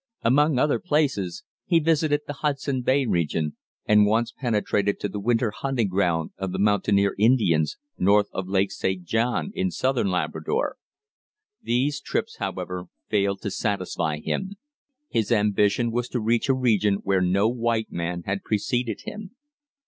Among other places, he visited the Hudson Bay region, and once penetrated to the winter hunting ground of the Mountaineer Indians, north of Lake St. John, in southern Labrador. These trips, however, failed to satisfy him; his ambition was to reach a region where no white man had preceded him.